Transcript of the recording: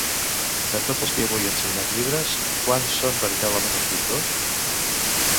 De tots els que avui han signat llibres, quants són veritablement escriptors?